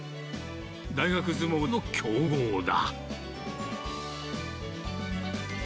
大学相撲の強豪だ。